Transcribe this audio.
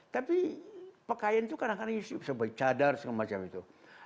tapi pakaian itu kadang kadang bisa bercadar segala macam itu